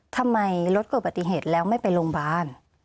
ทำไมรถเกิดปฏิเหตุแล้วไม่ไปโรงพยาบาล